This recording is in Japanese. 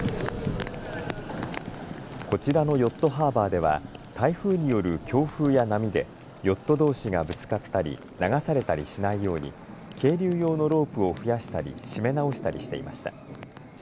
こちらのヨットハーバーでは台風による強風や波でヨットどうしがぶつかったり流されたりしないように係留用のロープを増やしたり締め直したりしていました。